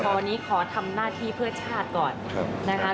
วันนี้ขอทำหน้าที่เพื่อชาติก่อนนะคะ